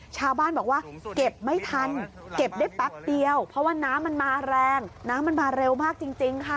ชาวบ้านบอกว่าเก็บไม่ทันเก็บได้แป๊บเดียวเพราะว่าน้ำมันมาแรงน้ำมันมาเร็วมากจริงค่ะ